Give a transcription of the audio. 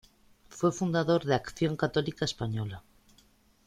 Fue fundador de Acción Católica española.